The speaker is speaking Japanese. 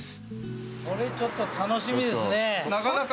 これちょっと楽しみですね。